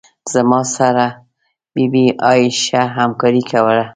زما سره یې بې آلایشه همکاري کوله.